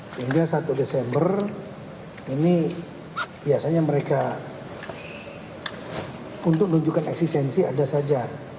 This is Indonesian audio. sehingga satu desember ini biasanya mereka untuk menunjukkan eksistensi ada saja